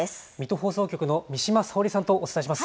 放送局の三島早織さんとお伝えします。